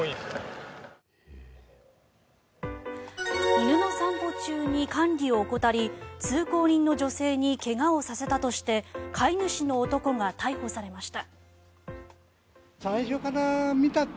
犬の散歩中に管理を怠り通行人の女性に怪我をさせたとして飼い主の男が逮捕されました。